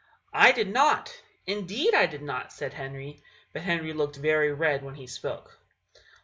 "I did not indeed I did not," said Henry; but Henry looked very red when he spoke.